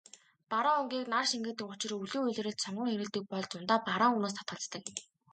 Бараан өнгийг нар шингээдэг учир өвлийн улиралд сонгон хэрэглэдэг бол зундаа бараан өнгөнөөс татгалздаг.